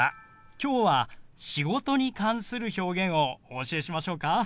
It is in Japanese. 今日は「仕事」に関する表現をお教えしましょうか？